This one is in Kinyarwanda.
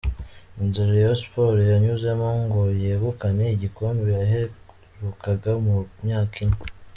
Inzira Rayon Sports yanyuzemo ngo yegukane igikombe yaherukaga mu myaka ine.